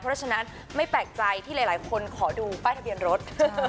เพราะฉะนั้นไม่แปลกใจที่หลายคนขอดูป้ายทะเบียนรถ